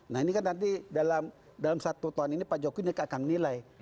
nah ini kan nanti dalam satu tahun ini pak jokowi akan menilai